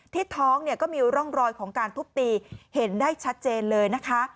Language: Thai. ท้องเนี่ยก็มีร่องรอยของการทุบตีเห็นได้ชัดเจนเลยนะคะ